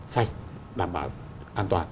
xanh đảm bảo an toàn